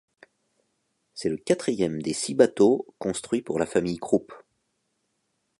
C'est le quatrième des six bateaux construits pour la famille Krupp.